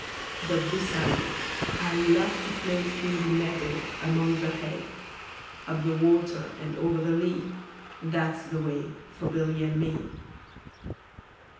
20 But this I know, I love to play Through the meadow, among the hay; Up the water and over the lea, That 's the way for Billy and me.